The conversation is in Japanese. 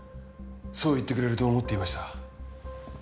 そう言ってくれると思っていました。